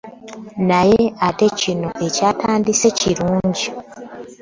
“Naye ate kino ekyatandise kirungi"